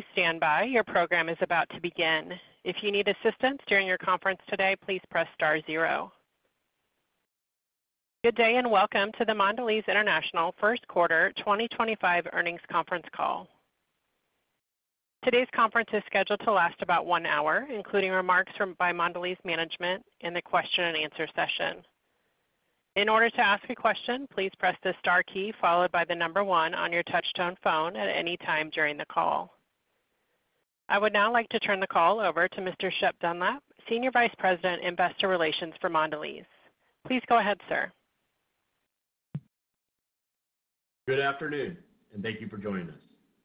Please stand by. Your program is about to begin. If you need assistance during your conference today, please press star zero. Good day and welcome to the Mondelez International First Quarter 2025 earnings conference call. Today's conference is scheduled to last about one hour, including remarks by Mondelez management and the Question and Answer session. In order to ask a question, please press the star key followed by the number one on your touch-tone phone at any time during the call. I would now like to turn the call over to Mr. Shep Dunlap, Senior Vice President, Investor Relations for Mondelez. Please go ahead, sir. Good afternoon, and thank you for joining us.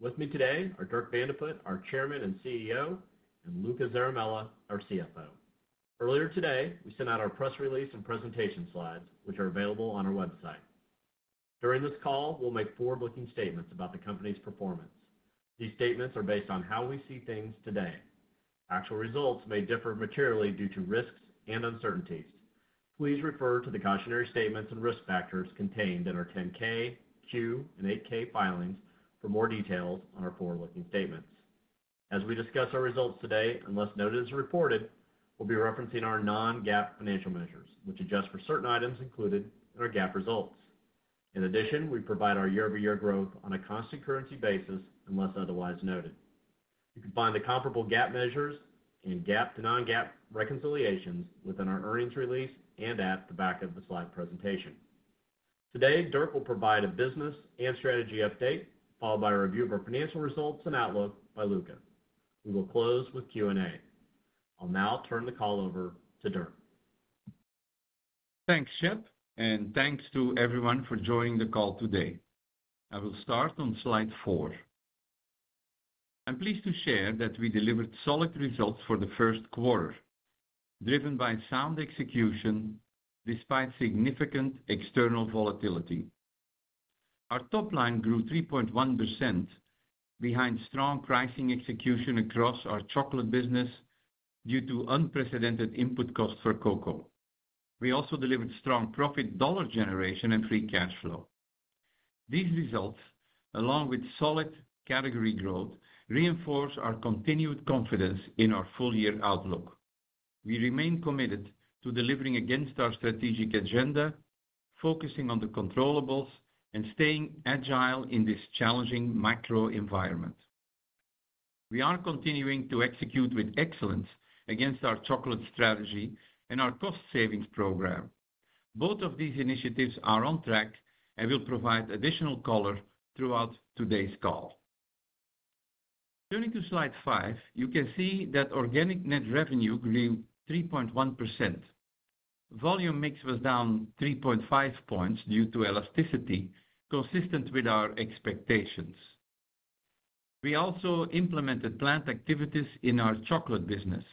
With me today are Dirk Van de Put, our Chairman and CEO, and Luca Zaramella, our CFO. Earlier today, we sent out our press release and presentation slides, which are available on our website. During this call, we'll make forward-looking statements about the company's performance. These statements are based on how we see things today. Actual results may differ materially due to risks and uncertainties. Please refer to the cautionary statements and risk factors contained in our 10-K, Q, and 8-K filings for more details on our forward-looking statements. As we discuss our results today, unless noted as reported, we'll be referencing our non-GAAP financial measures, which adjust for certain items included in our GAAP results. In addition, we provide our year-over-year growth on a constant currency basis unless otherwise noted. You can find the comparable GAAP measures and GAAP to non-GAAP reconciliations within our earnings release and at the back of the slide presentation. Today, Dirk will provide a business and strategy update followed by a review of our financial results and outlook by Luca. We will close with Q&A. I'll now turn the call over to Dirk. Thanks, Shep, and thanks to everyone for joining the call today. I will start on slide four. I'm pleased to share that we delivered solid results for the first quarter, driven by sound execution despite significant external volatility. Our top line grew 3.1% behind strong pricing execution across our chocolate business due to unprecedented input costs for cocoa. We also delivered strong profit dollar generation and free cash flow. These results, along with solid category growth, reinforce our continued confidence in our full-year outlook. We remain committed to delivering against our strategic agenda, focusing on the controllables, and staying agile in this challenging macro environment. We are continuing to execute with excellence against our chocolate strategy and our cost savings program. Both of these initiatives are on track and will provide additional color throughout today's call. Turning to slide five, you can see that organic net revenue grew 3.1%. Volume mix was down 3.5 percentage points due to elasticity consistent with our expectations. We also implemented planned activities in our chocolate business.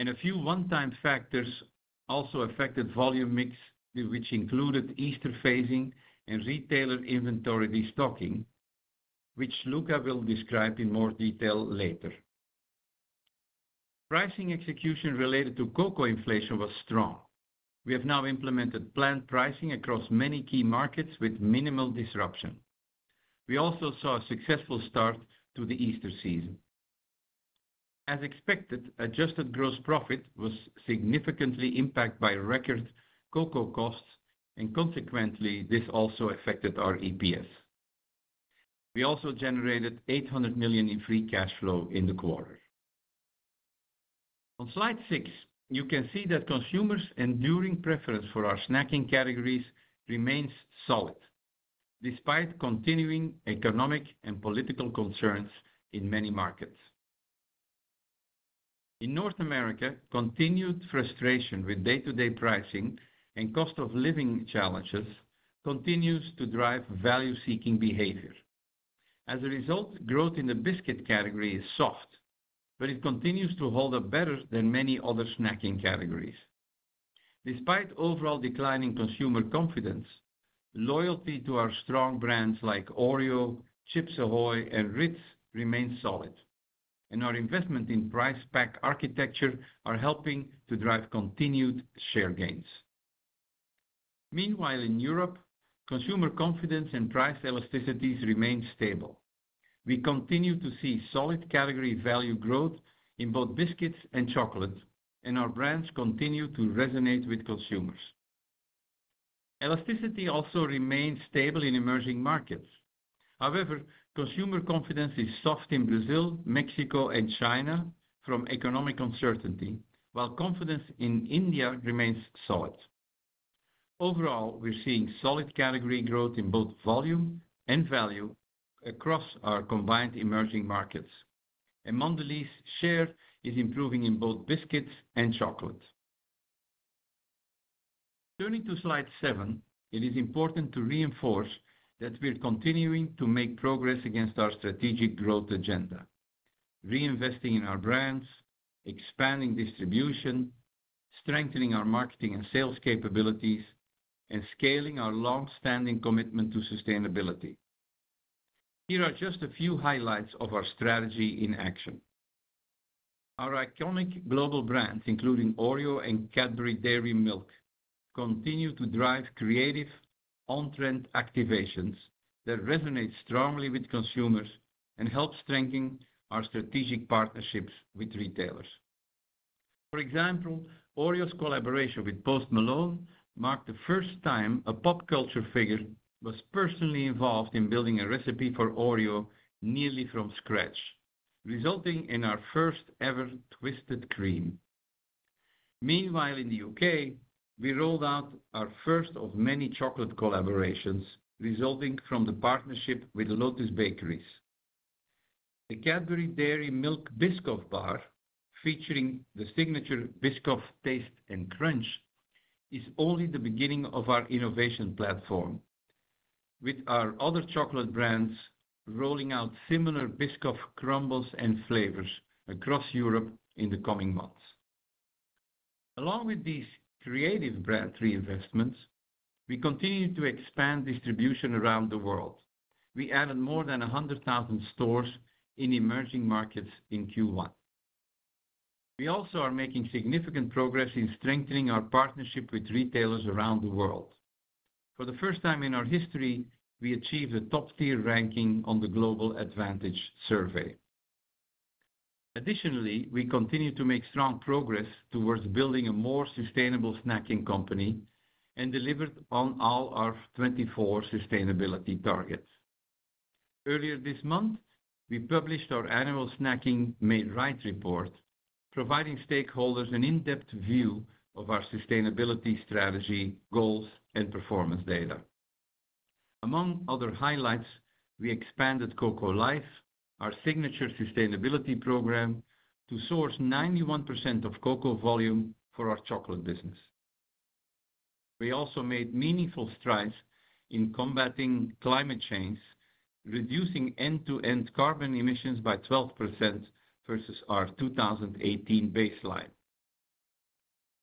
A few one-time factors also affected volume mix, which included Easter phasing and retailer inventory restocking, which Luca will describe in more detail later. Pricing execution related to cocoa inflation was strong. We have now implemented planned pricing across many key markets with minimal disruption. We also saw a successful start to the Easter season. As expected, adjusted gross profit was significantly impacted by record cocoa costs, and consequently, this also affected our EPS. We also generated 800 million in free cash flow in the quarter. On slide six, you can see that consumers' enduring preference for our snacking categories remains solid, despite continuing economic and political concerns in many markets. In North America, continued frustration with day-to-day pricing and cost of living challenges continues to drive value-seeking behavior. As a result, growth in the biscuit category is soft, but it continues to hold up better than many other snacking categories. Despite overall declining consumer confidence, loyalty to our strong brands like Oreo, Chips Ahoy, and Ritz remains solid, and our investment in price-pack architecture is helping to drive continued share gains. Meanwhile, in Europe, consumer confidence and price elasticities remain stable. We continue to see solid category value growth in both biscuits and chocolate, and our brands continue to resonate with consumers. Elasticity also remains stable in emerging markets. However, consumer confidence is soft in Brazil, Mexico, and China from economic uncertainty, while confidence in India remains solid. Overall, we are seeing solid category growth in both volume and value across our combined emerging markets, and Mondelez's share is improving in both biscuits and chocolate. Turning to slide seven, it is important to reinforce that we are continuing to make progress against our strategic growth agenda, reinvesting in our brands, expanding distribution, strengthening our marketing and sales capabilities, and scaling our long-standing commitment to sustainability. Here are just a few highlights of our strategy in action. Our iconic global brands, including Oreo and Cadbury Dairy Milk, continue to drive creative, on-trend activations that resonate strongly with consumers and help strengthen our strategic partnerships with retailers. For example, Oreo's collaboration with Post Malone marked the first time a pop culture figure was personally involved in building a recipe for Oreo nearly from scratch, resulting in our first-ever twisted cream. Meanwhile, in the U.K., we rolled out our first of many chocolate collaborations resulting from the partnership with Lotus Bakeries. The Cadbury Dairy Milk Biscoff Bar, featuring the signature Biscoff taste and crunch, is only the beginning of our innovation platform, with our other chocolate brands rolling out similar Biscoff crumbles and flavors across Europe in the coming months. Along with these creative brand reinvestments, we continue to expand distribution around the world. We added more than 100,000 stores in emerging markets in Q1. We also are making significant progress in strengthening our partnership with retailers around the world. For the first time in our history, we achieved a top-tier ranking on the Global Advantage Survey. Additionally, we continue to make strong progress towards building a more sustainable snacking company and delivered on all our 24 sustainability targets. Earlier this month, we published our annual Snacking Made Right report, providing stakeholders an in-depth view of our sustainability strategy, goals, and performance data. Among other highlights, we expanded Cocoa Life, our signature sustainability program, to source 91% of cocoa volume for our chocolate business. We also made meaningful strides in combating climate change, reducing end-to-end carbon emissions by 12% versus our 2018 baseline.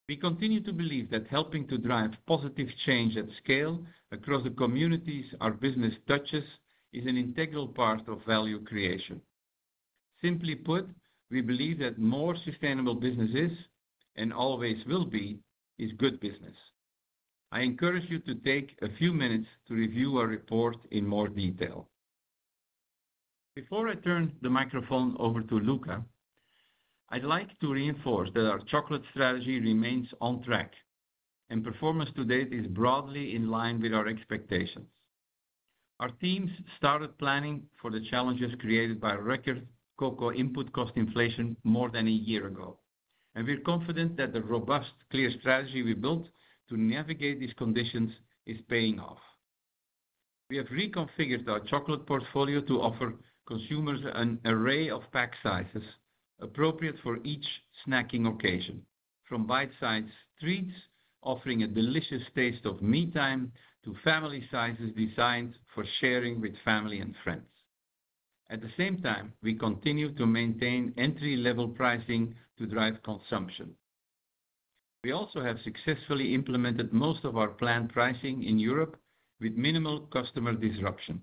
We continue to believe that helping to drive positive change at scale across the communities our business touches is an integral part of value creation. Simply put, we believe that more sustainable businesses, and always will be, is good business. I encourage you to take a few minutes to review our report in more detail. Before I turn the microphone over to Luca, I'd like to reinforce that our chocolate strategy remains on track, and performance to date is broadly in line with our expectations. Our teams started planning for the challenges created by record cocoa input cost inflation more than a year ago, and we're confident that the robust, clear strategy we built to navigate these conditions is paying off. We have reconfigured our chocolate portfolio to offer consumers an array of pack sizes appropriate for each snacking occasion, from bite-sized treats offering a delicious taste of me-time to family sizes designed for sharing with family and friends. At the same time, we continue to maintain entry-level pricing to drive consumption. We also have successfully implemented most of our planned pricing in Europe with minimal customer disruption.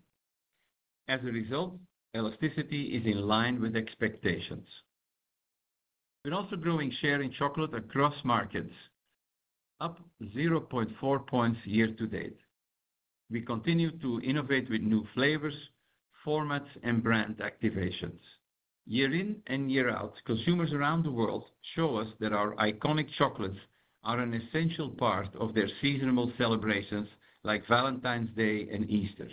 As a result, elasticity is in line with expectations. We're also growing share in chocolate across markets, up 0.4 percentage points year to date. We continue to innovate with new flavors, formats, and brand activations. Year in and year out, consumers around the world show us that our iconic chocolates are an essential part of their seasonal celebrations like Valentine's Day and Easter.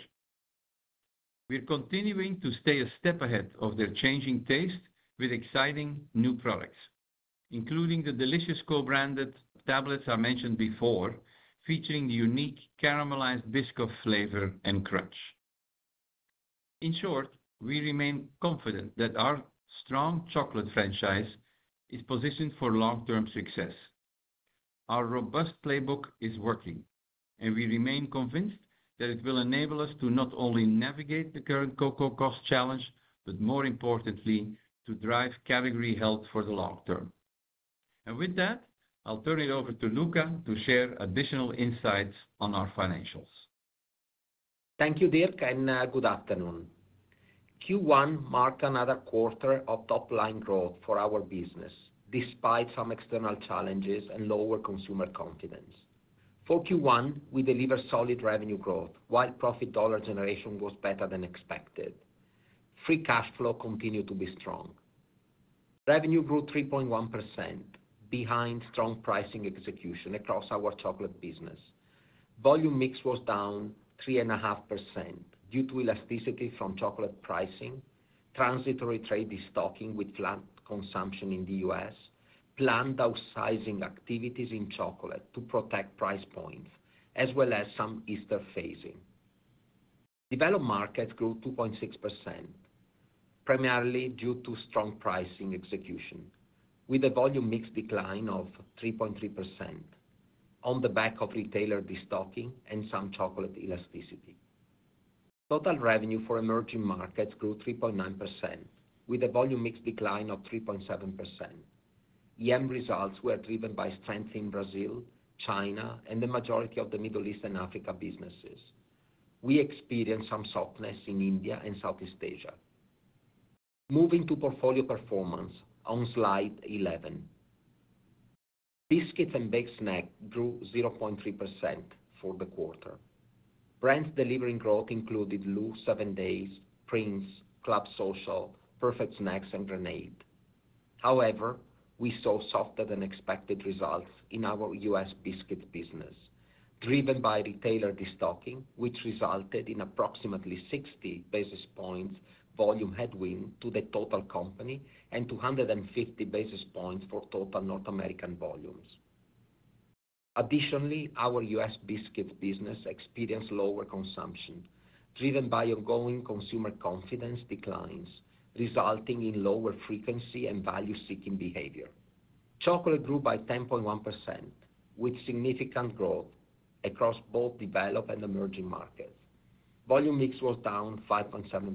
We are continuing to stay a step ahead of their changing taste with exciting new products, including the delicious co-branded tablets I mentioned before, featuring the unique caramelized Biscoff flavor and crunch. In short, we remain confident that our strong chocolate franchise is positioned for long-term success. Our robust playbook is working, and we remain convinced that it will enable us to not only navigate the current cocoa cost challenge, but more importantly, to drive category health for the long term. With that, I will turn it over to Luca to share additional insights on our financials. Thank you, Dirk, and good afternoon. Q1 marked another quarter of top-line growth for our business, despite some external challenges and lower consumer confidence. For Q1, we delivered solid revenue growth, while profit dollar generation was better than expected. Free cash flow continued to be strong. Revenue grew 3.1%, behind strong pricing execution across our chocolate business. Volume mix was down 3.5% due to elasticity from chocolate pricing, transitory trade restocking with flat consumption in the U.S., planned downsizing activities in chocolate to protect price points, as well as some Easter phasing. Developed markets grew 2.6%, primarily due to strong pricing execution, with a volume mix decline of 3.3% on the back of retailer restocking and some chocolate elasticity. Total revenue for emerging markets grew 3.9%, with a volume mix decline of 3.7%. EM results were driven by strength in Brazil, China, and the majority of the Middle East and Africa businesses. We experienced some softness in India and Southeast Asia. Moving to portfolio performance on slide 11, biscuits and baked snacks grew 0.3% for the quarter. Brands delivering growth included LU Seven Days, Prince, Club Social, Perfect Snacks, and Grenade. However, we saw softer than expected results in our U.S. biscuits business, driven by retailer restocking, which resulted in approximately 60 basis points volume headwind to the total company and 250 basis points for total North American volumes. Additionally, our U.S. biscuits business experienced lower consumption, driven by ongoing consumer confidence declines, resulting in lower frequency and value-seeking behavior. Chocolate grew by 10.1%, with significant growth across both developed and emerging markets. Volume mix was down 5.7%,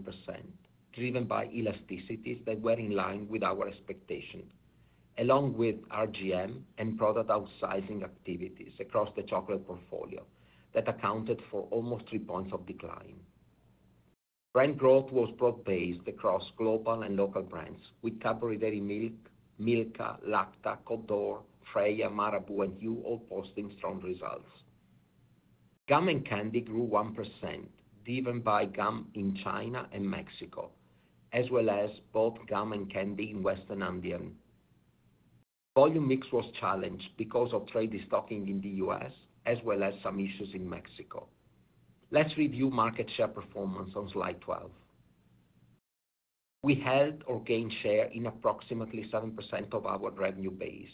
driven by elasticities that were in line with our expectations, along with RGM and product outsizing activities across the chocolate portfolio that accounted for almost three points of decline. Brand growth was broad-based across global and local brands, with Cadbury Dairy Milk, Milka, Lacta, Cote d'Or, Freia, Marabou, and Hu all posting strong results. Gum and candy grew 1%, driven by gum in China and Mexico, as well as both gum and candy in Western India. Volume mix was challenged because of trade restocking in the U.S., as well as some issues in Mexico. Let's review market share performance on slide 12. We held or gained share in approximately 7% of our revenue base,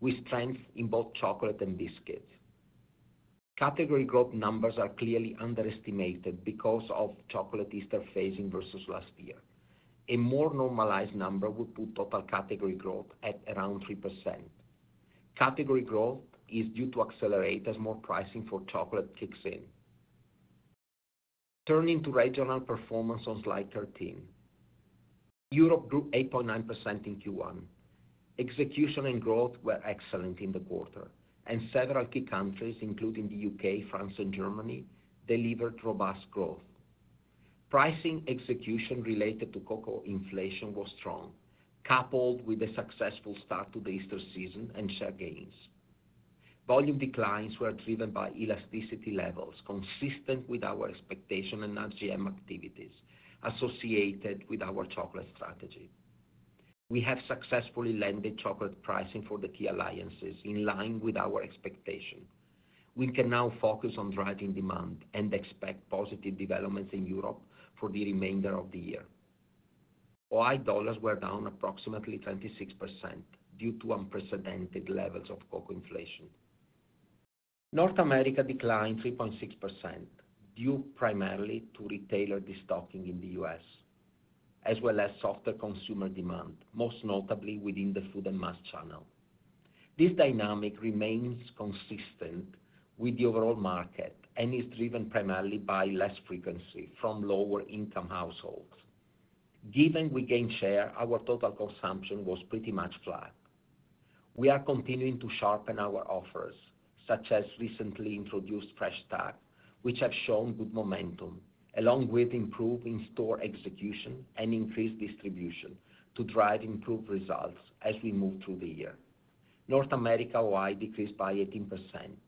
with strength in both chocolate and biscuits. Category growth numbers are clearly underestimated because of chocolate Easter phasing versus last year. A more normalized number would put total category growth at around 3%. Category growth is due to accelerate as more pricing for chocolate kicks in. Turning to regional performance on slide 13, Europe grew 8.9% in Q1. Execution and growth were excellent in the quarter, and several key countries, including the U.K., France, and Germany, delivered robust growth. Pricing execution related to cocoa inflation was strong, coupled with a successful start to the Easter season and share gains. Volume declines were driven by elasticity levels consistent with our expectation and RGM activities associated with our chocolate strategy. We have successfully landed chocolate pricing for the key alliances in line with our expectation. We can now focus on driving demand and expect positive developments in Europe for the remainder of the year. OI dollars were down approximately 26% due to unprecedented levels of cocoa inflation. North America declined 3.6% due primarily to retailer destocking in the U.S., as well as softer consumer demand, most notably within the food and mass channel. This dynamic remains consistent with the overall market and is driven primarily by less frequency from lower-income households. Given we gained share, our total consumption was pretty much flat. We are continuing to sharpen our offers, such as recently introduced Fresh Stack, which have shown good momentum, along with improved in-store execution and increased distribution to drive improved results as we move through the year. North America OI decreased by 18%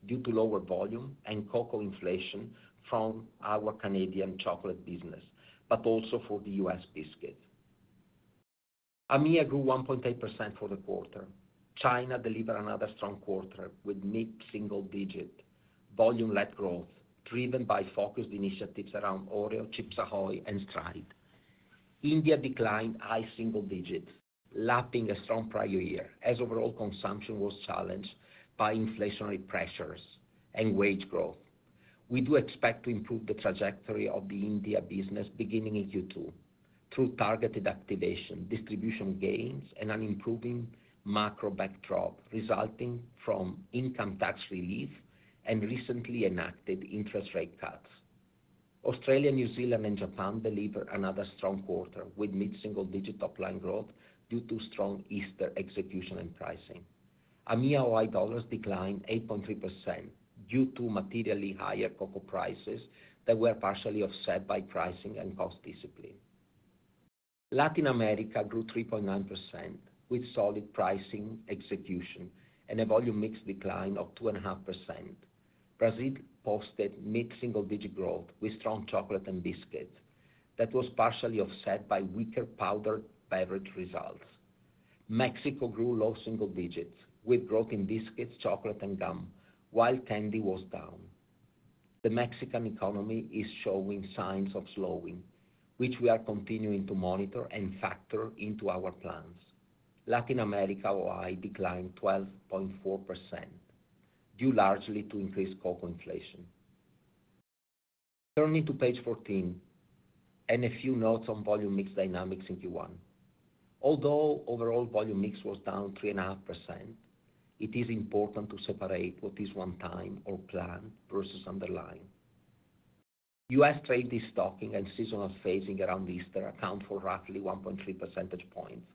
due to lower volume and cocoa inflation from our Canadian chocolate business, but also for the U.S. biscuit. AMEA grew 1.8% for the quarter. China delivered another strong quarter with mid-single-digit volume-led growth driven by focused initiatives around Oreo, Chips Ahoy, and Stride. India declined high single digits, lapping a strong prior year as overall consumption was challenged by inflationary pressures and wage growth. We do expect to improve the trajectory of the India business beginning in Q2 through targeted activation, distribution gains, and an improving macro backdrop resulting from income tax relief and recently enacted interest rate cuts. Australia, New Zealand, and Japan delivered another strong quarter with mid-single-digit top-line growth due to strong Easter execution and pricing. AMIA OI dollars declined 8.3% due to materially higher cocoa prices that were partially offset by pricing and cost discipline. Latin America grew 3.9% with solid pricing execution and a volume mix decline of 2.5%. Brazil posted mid-single-digit growth with strong chocolate and biscuits that was partially offset by weaker powdered beverage results. Mexico grew low single digits with growth in biscuits, chocolate, and gum, while candy was down. The Mexican economy is showing signs of slowing, which we are continuing to monitor and factor into our plans. Latin America OI declined 12.4% due largely to increased cocoa inflation. Turning to page 14 and a few notes on volume mix dynamics in Q1. Although overall volume mix was down 3.5%, it is important to separate what is one-time or planned versus underlying. U.S. trade destocking and seasonal phasing around Easter account for roughly 1.3 percentage points,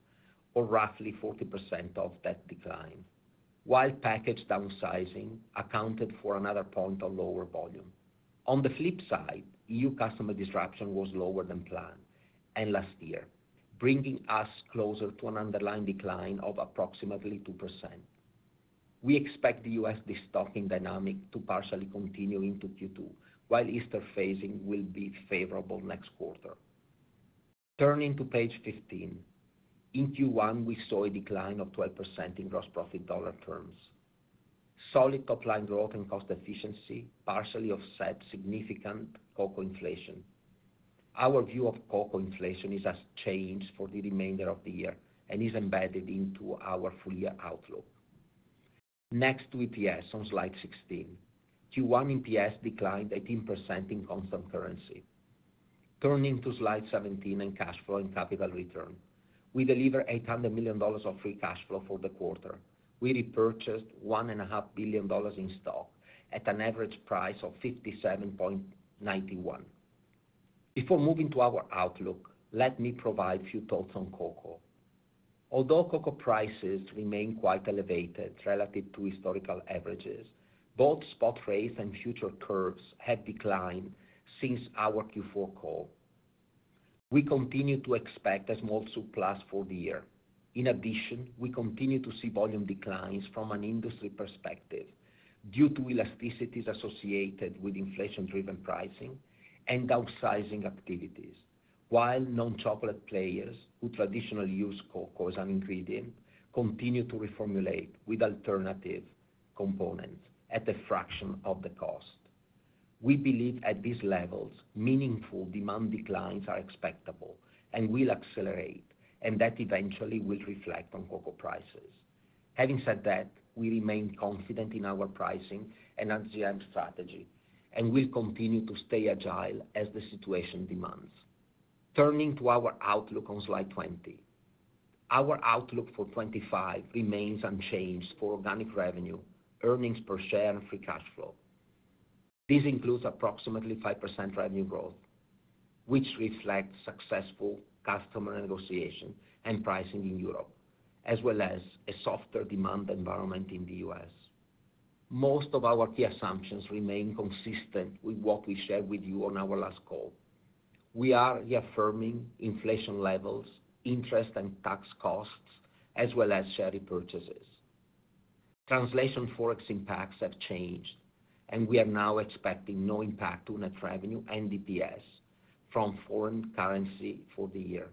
or roughly 40% of that decline, while package downsizing accounted for another point of lower volume. On the flip side, EU customer disruption was lower than planned and last year, bringing us closer to an underlying decline of approximately 2%. We expect the U.S. destocking dynamic to partially continue into Q2, while Easter phasing will be favorable next quarter. Turning to page 15, in Q1, we saw a decline of 12% in gross profit dollar terms. Solid top-line growth and cost efficiency partially offset significant cocoa inflation. Our view of cocoa inflation is as changed for the remainder of the year and is embedded into our full-year outlook. Next to EPS on slide 16, Q1 EPS declined 18% in constant currency. Turning to slide 17 and cash flow and capital return, we delivered $800 million of free cash flow for the quarter. We repurchased $1.5 billion in stock at an average price of 57.91. Before moving to our outlook, let me provide a few thoughts on cocoa. Although cocoa prices remain quite elevated relative to historical averages, both spot rates and future curves have declined since our Q4 call. We continue to expect a small surplus for the year. In addition, we continue to see volume declines from an industry perspective due to elasticities associated with inflation-driven pricing and outsizing activities, while non-chocolate players who traditionally use cocoa as an ingredient continue to reformulate with alternative components at a fraction of the cost. We believe at these levels, meaningful demand declines are expectable and will accelerate, and that eventually will reflect on cocoa prices. Having said that, we remain confident in our pricing and RGM strategy and will continue to stay agile as the situation demands. Turning to our outlook on slide 20, our outlook for 2025 remains unchanged for organic revenue, earnings per share, and free cash flow. This includes approximately 5% revenue growth, which reflects successful customer negotiation and pricing in Europe, as well as a softer demand environment in the U.S. Most of our key assumptions remain consistent with what we shared with you on our last call. We are reaffirming inflation levels, interest, and tax costs, as well as share repurchases. Translation forex impacts have changed, and we are now expecting no impact on net revenue and EPS from foreign currency for the year.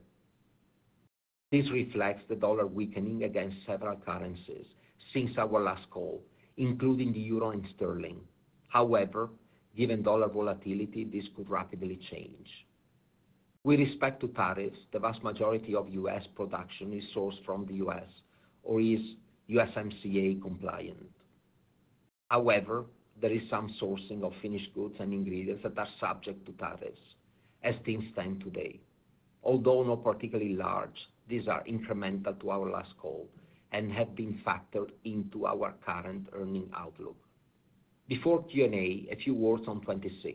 This reflects the dollar weakening against several currencies since our last call, including the euro and sterling. However, given dollar volatility, this could rapidly change. With respect to tariffs, the vast majority of U.S. production is sourced from the U.S. or is USMCA compliant. However, there is some sourcing of finished goods and ingredients that are subject to tariffs as things stand today. Although not particularly large, these are incremental to our last call and have been factored into our current earning outlook. Before Q&A, a few words on 26.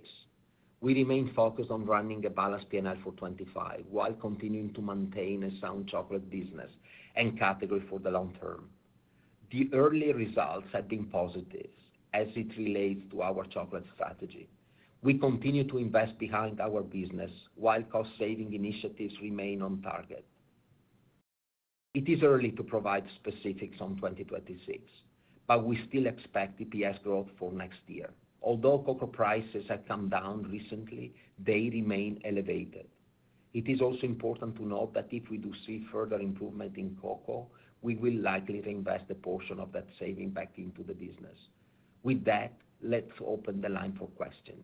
We remain focused on running a balanced P&L for 2025 while continuing to maintain a sound chocolate business and category for the long term. The early results have been positive as it relates to our chocolate strategy. We continue to invest behind our business while cost-saving initiatives remain on target. It is early to provide specifics on 2026, but we still expect EPS growth for next year. Although cocoa prices have come down recently, they remain elevated. It is also important to note that if we do see further improvement in cocoa, we will likely reinvest a portion of that saving back into the business. With that, let's open the line for questions.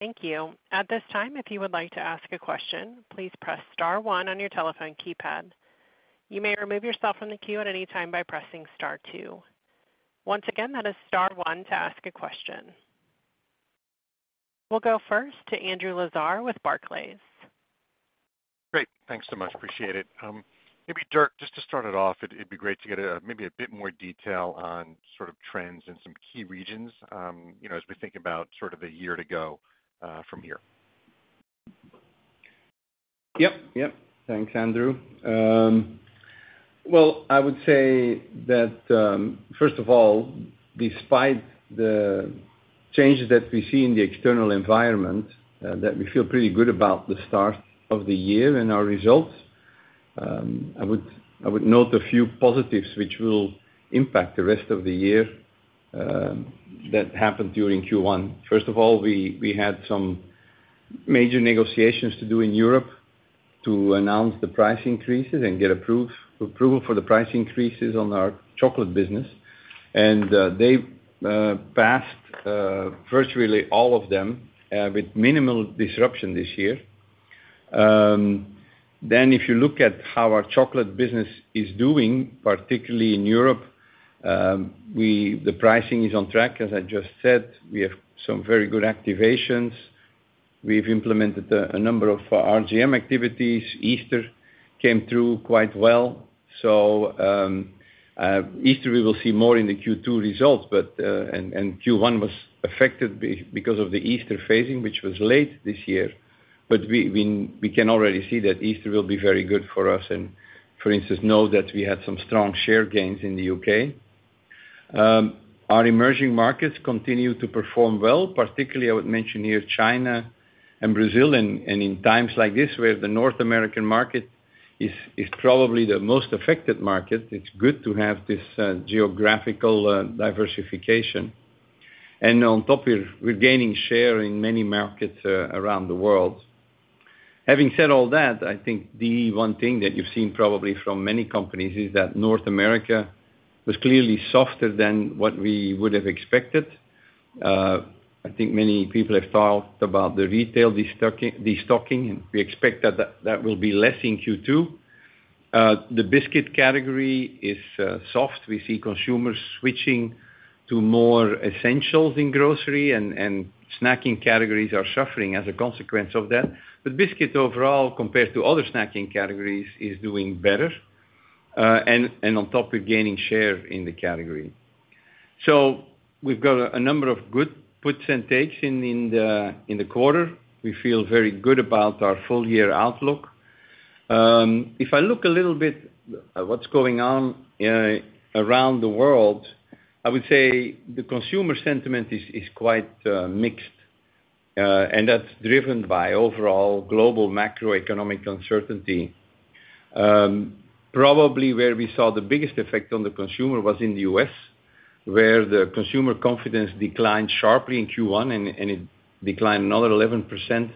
Thank you. At this time, if you would like to ask a question, please press star one on your telephone keypad. You may remove yourself from the queue at any time by pressing star two. Once again, that is star one to ask a question. We'll go first to Andrew Lazar with Barclays. Great. Thanks so much. Appreciate it. Maybe, Dirk, just to start it off, it'd be great to get maybe a bit more detail on sort of trends and some key regions as we think about sort of the year to go from here. Yep, yep. Thanks, Andrew. I would say that, first of all, despite the changes that we see in the external environment, we feel pretty good about the start of the year and our results. I would note a few positives which will impact the rest of the year that happened during Q1. First of all, we had some major negotiations to do in Europe to announce the price increases and get approval for the price increases on our chocolate business. They passed virtually all of them with minimal disruption this year. If you look at how our chocolate business is doing, particularly in Europe, the pricing is on track, as I just said. We have some very good activations. We have implemented a number of RGM activities. Easter came through quite well. Easter, we will see more in the Q2 results, and Q1 was affected because of the Easter phasing, which was late this year. We can already see that Easter will be very good for us and, for instance, know that we had some strong share gains in the U.K. Our emerging markets continue to perform well, particularly, I would mention here, China and Brazil. In times like this, where the North American market is probably the most affected market, it's good to have this geographical diversification. On top, we're gaining share in many markets around the world. Having said all that, I think the one thing that you've seen probably from many companies is that North America was clearly softer than what we would have expected. I think many people have talked about the retail destocking, and we expect that that will be less in Q2. The biscuit category is soft. We see consumers switching to more essentials in grocery, and snacking categories are suffering as a consequence of that. Biscuit, overall, compared to other snacking categories, is doing better and on top, we're gaining share in the category. We have got a number of good puts and takes in the quarter. We feel very good about our full-year outlook. If I look a little bit at what is going on around the world, I would say the consumer sentiment is quite mixed, and that is driven by overall global macroeconomic uncertainty. Probably where we saw the biggest effect on the consumer was in the U.S., where the consumer confidence declined sharply in Q1, and it declined another 11%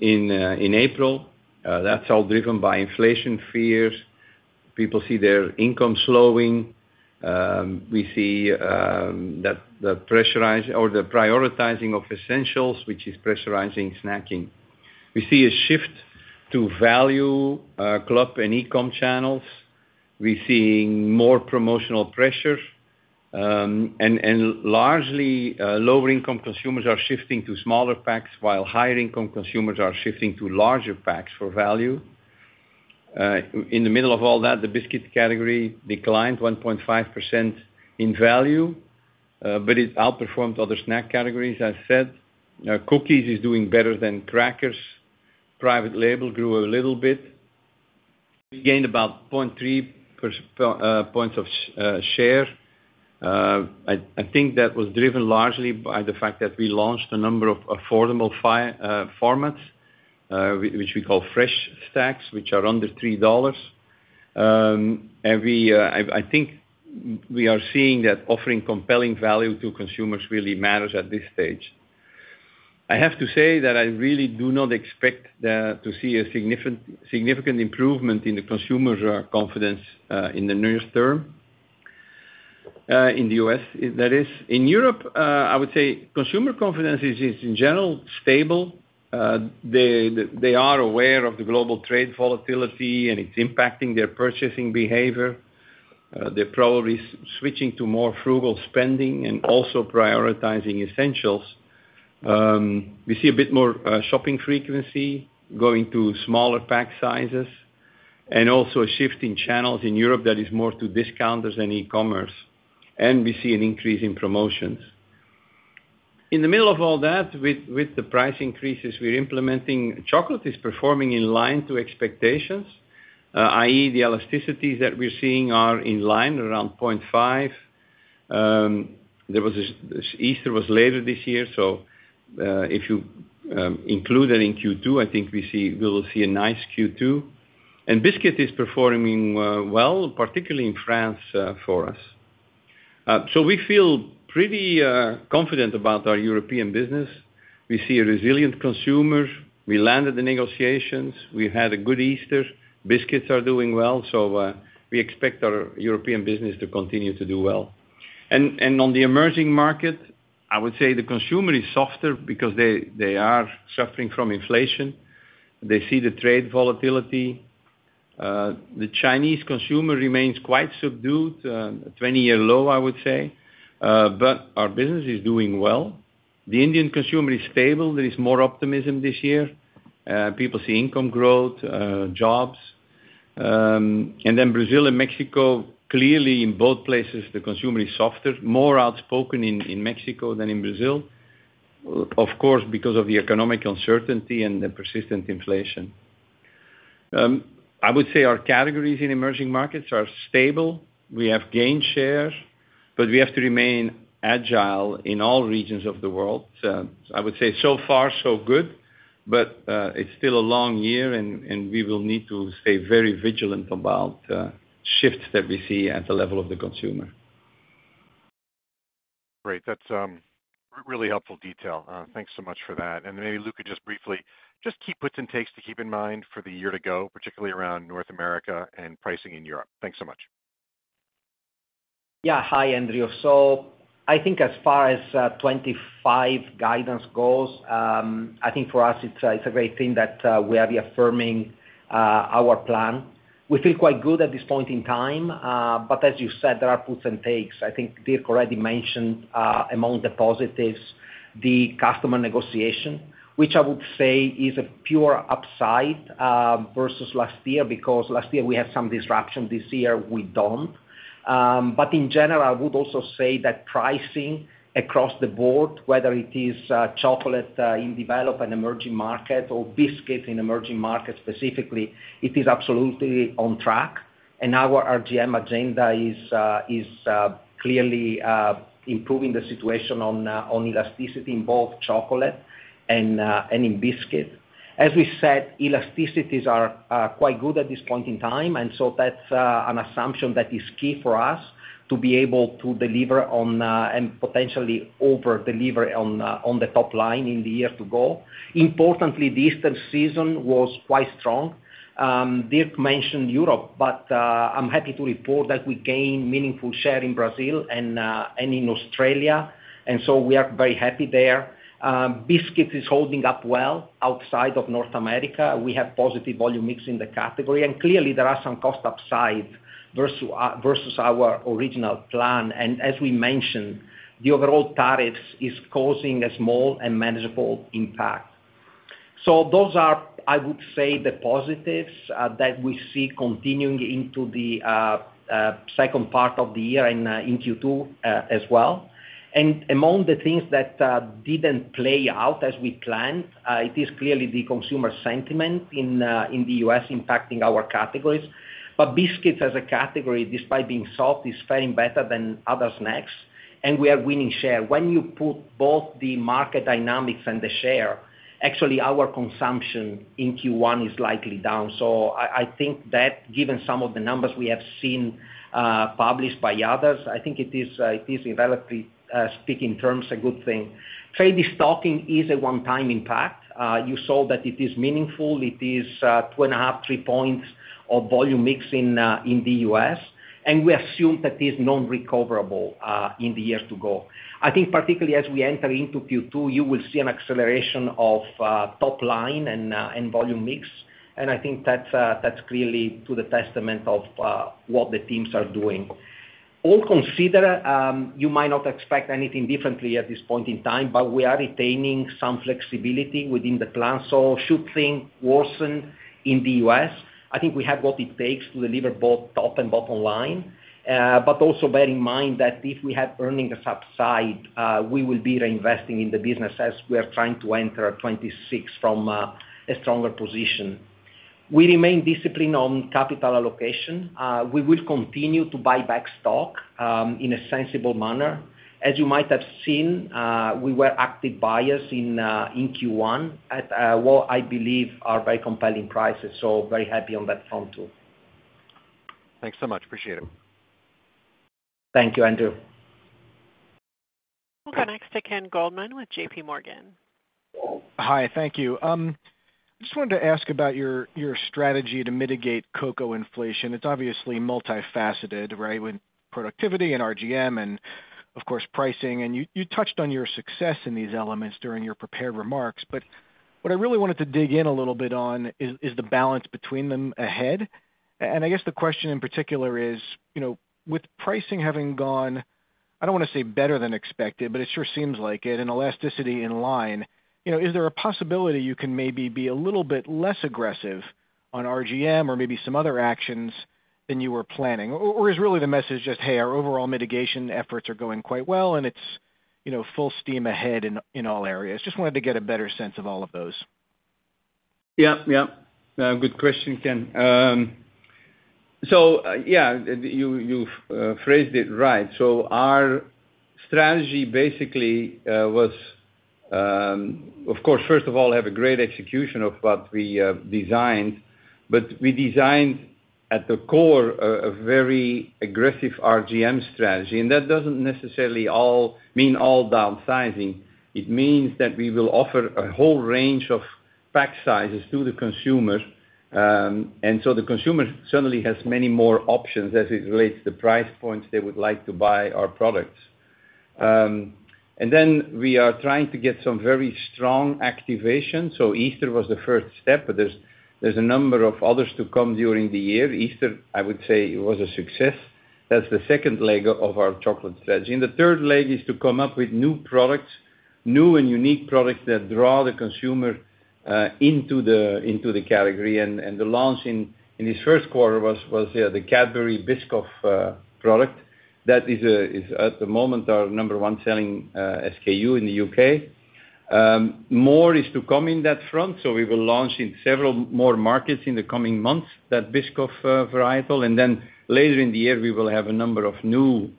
in April. That is all driven by inflation fears. People see their income slowing. We see that the prioritizing of essentials, which is pressurizing snacking. We see a shift to value club and e-com channels. We're seeing more promotional pressure, and largely, lower-income consumers are shifting to smaller packs, while higher-income consumers are shifting to larger packs for value. In the middle of all that, the biscuit category declined 1.5% in value, but it outperformed other snack categories, as said. Cookies is doing better than crackers. Private label grew a little bit. We gained about 0.3 percentage points of share. I think that was driven largely by the fact that we launched a number of affordable formats, which we call Fresh Stack, which are under $3. I think we are seeing that offering compelling value to consumers really matters at this stage. I have to say that I really do not expect to see a significant improvement in the consumer confidence in the near term in the U.S., that is. In Europe, I would say consumer confidence is, in general, stable. They are aware of the global trade volatility, and it's impacting their purchasing behavior. They're probably switching to more frugal spending and also prioritizing essentials. We see a bit more shopping frequency, going to smaller pack sizes, and also a shift in channels in Europe that is more to discounters and e-commerce. We see an increase in promotions. In the middle of all that, with the price increases we're implementing, chocolate is performing in line to expectations, i.e., the elasticities that we're seeing are in line around 0.5. Easter was later this year, so if you include that in Q2, I think we will see a nice Q2. Biscuit is performing well, particularly in France for us. We feel pretty confident about our European business. We see a resilient consumer. We landed the negotiations. We had a good Easter. Biscuits are doing well, so we expect our European business to continue to do well. On the emerging market, I would say the consumer is softer because they are suffering from inflation. They see the trade volatility. The Chinese consumer remains quite subdued, a 20 year low, I would say, but our business is doing well. The Indian consumer is stable. There is more optimism this year. People see income growth, jobs. Brazil and Mexico, clearly, in both places, the consumer is softer, more outspoken in Mexico than in Brazil, of course, because of the economic uncertainty and the persistent inflation. I would say our categories in emerging markets are stable. We have gained share, but we have to remain agile in all regions of the world. I would say so far, so good, but it's still a long year, and we will need to stay very vigilant about shifts that we see at the level of the consumer. Great. That's really helpful detail. Thanks so much for that. Maybe, Luca, just briefly, just key puts and takes to keep in mind for the year to go, particularly around North America and pricing in Europe. Thanks so much. Yeah. Hi, Andrew. I think as far as 2025 guidance goes, I think for us, it's a great thing that we are reaffirming our plan. We feel quite good at this point in time, but as you said, there are puts and takes. I think Dirk already mentioned among the positives the customer negotiation, which I would say is a pure upside versus last year because last year we had some disruption. This year, we do not. In general, I would also say that pricing across the board, whether it is chocolate in developed and emerging markets or biscuits in emerging markets specifically, it is absolutely on track. Our RGM agenda is clearly improving the situation on elasticity in both chocolate and in biscuit. As we said, elasticities are quite good at this point in time, and so that's an assumption that is key for us to be able to deliver on and potentially overdeliver on the top line in the year to go. Importantly, this season was quite strong. Dirk mentioned Europe, but I'm happy to report that we gained meaningful share in Brazil and in Australia, and we are very happy there. Biscuits is holding up well outside of North America. We have positive volume mix in the category, and clearly, there are some cost upside versus our original plan. As we mentioned, the overall tariffs is causing a small and manageable impact. Those are, I would say, the positives that we see continuing into the second part of the year and in Q2 as well. Among the things that did not play out as we planned, it is clearly the consumer sentiment in the U.S. impacting our categories. Biscuits as a category, despite being soft, is faring better than other snacks, and we are winning share. When you put both the market dynamics and the share, actually, our consumption in Q1 is likely down. I think that, given some of the numbers we have seen published by others, it is, relatively speaking in terms, a good thing. Trade destocking is a one-time impact. You saw that it is meaningful. It is two and a half to three percentage points of volume mix in the U.S., and we assume that it is non-recoverable in the year to go. I think, particularly as we enter into Q2, you will see an acceleration of top line and volume mix, and I think that's clearly to the testament of what the teams are doing. All considered, you might not expect anything differently at this point in time, but we are retaining some flexibility within the plan. Should things worsen in the U.S., I think we have what it takes to deliver both top and bottom line, but also bear in mind that if we have earnings upside, we will be reinvesting in the business as we are trying to enter 2026 from a stronger position. We remain disciplined on capital allocation. We will continue to buy back stock in a sensible manner. As you might have seen, we were active buyers in Q1 at what I believe are very compelling prices, so very happy on that front too. Thanks so much. Appreciate it. Thank you Andrew. Welcome back to Ken Goldman with JP Morgan. Hi. Thank you. I just wanted to ask about your strategy to mitigate cocoa inflation. It's obviously multifaceted, right, with productivity and RGM and, of course, pricing. You touched on your success in these elements during your prepared remarks, but what I really wanted to dig in a little bit on is the balance between them ahead. I guess the question in particular is, with pricing having gone, I don't want to say better than expected, but it sure seems like it, and elasticity in line, is there a possibility you can maybe be a little bit less aggressive on RGM or maybe some other actions than you were planning? Or is really the message just, "Hey, our overall mitigation efforts are going quite well, and it's full steam ahead in all areas"? Just wanted to get a better sense of all of those. Yeah. Yeah. Good question, Ken. You phrased it right. Our strategy basically was, of course, first of all, have a great execution of what we designed, but we designed at the core a very aggressive RGM strategy. That does not necessarily mean all downsizing. It means that we will offer a whole range of pack sizes to the consumer. The consumer suddenly has many more options as it relates to the price points they would like to buy our products. We are trying to get some very strong activation. Easter was the first step, but there are a number of others to come during the year. Easter, I would say, was a success. That is the second leg of our chocolate strategy. The third leg is to come up with new products, new and unique products that draw the consumer into the category. The launch in this first quarter was the Cadbury Biscoff product that is, at the moment, our number one selling SKU in the U.K. More is to come on that front, as we will launch in several more markets in the coming months with that Biscoff varietal. Later in the year, we will have a number of new